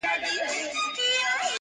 رقیب مي له شهبازه غزلونه تښتوي٫